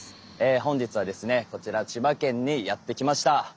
本日はですねこちら千葉県にやって来ました。